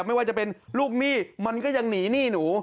ไม่ว่าจะเป็นลูกหนี้มันก็ยังหนีหนี้หนู